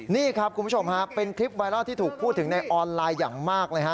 นี่ครับคุณผู้ชมฮะเป็นคลิปไวรัลที่ถูกพูดถึงในออนไลน์อย่างมากเลยฮะ